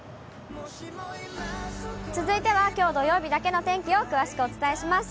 続いてはきょう土曜日だけの天気を詳しくお伝えします。